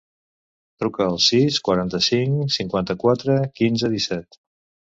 Truca al sis, quaranta-cinc, cinquanta-quatre, quinze, disset.